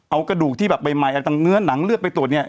เอากระดูกที่แบบใหม่เอาจังเนื้อหนังเลือดไปตรวจเนี่ย